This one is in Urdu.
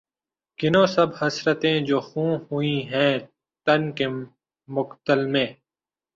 گنو سب حسرتیں جو خوں ہوئی ہیں تن کے مقتل میں